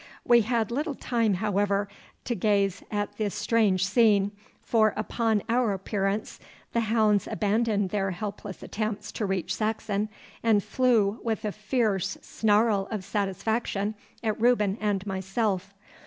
We had little time, however, to gaze at this strange scene, for upon our appearance the hounds abandoned their helpless attempts to reach Saxon, and flew, with a fierce snarl of satisfaction, at Reuben and myself.